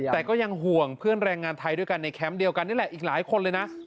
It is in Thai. แต่ก็ยังห่วงเพื่อนแรงงานไทยด้วยกันในแคมป์เดียวกันนี่แหละอีกหลายคนเลยนะ